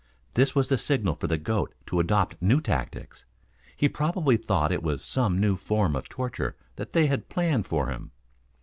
This was the signal for the goat to adopt new tactics. He probably thought it was some new form of torture that they had planned for him.